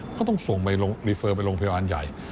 เขาต้องส่งรีเฟิร์มไปโรงพยาบาลใหญ่